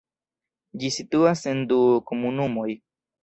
Ĝi situas en du komunumoj.